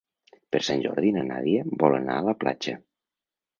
Per Sant Jordi na Nàdia vol anar a la platja.